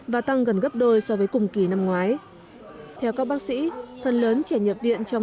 và tăng gần gấp đôi so với cùng kỳ năm ngoái theo các bác sĩ phần lớn trẻ nhập viện trong